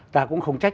ta cũng không trách